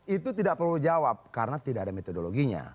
itu tidak perlu dijawab karena tidak ada metodologinya